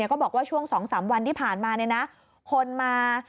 ก็บอกว่าช่วง๒๓วันที่ผ่านมาคนมา